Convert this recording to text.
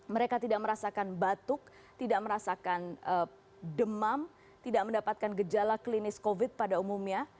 mereka tidak merasakan batuk tidak merasakan demam tidak mendapatkan gejala klinis covid pada umumnya